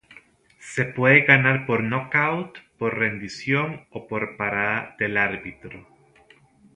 Se puede ganar por knockout, por rendición o por parada del árbitro.